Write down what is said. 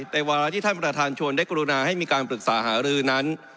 วาระที่ท่านประธานชวนได้กรุณาให้มีการปรึกษาหารือนั้น